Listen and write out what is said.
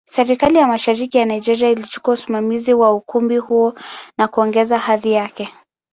Serikali ya Mashariki ya Nigeria ilichukua usimamizi wa ukumbi huo na kuongeza hadhi yake.